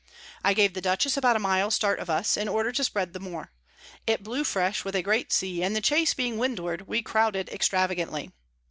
I gave the Dutchess about a mile start of us, in order to spread the more. It blew fresh, with a great Sea; and the Chase being to Windward, we crouded extravagantly.